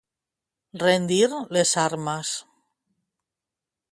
Rendir les armes.